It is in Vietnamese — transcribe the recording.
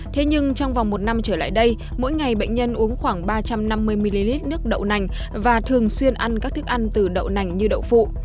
thế nhưng trong vòng một năm trở lại đây mỗi ngày bệnh nhân uống khoảng ba trăm năm mươi ml nước đậu nành và thường xuyên ăn các thức ăn từ đậu nành như đậu phụ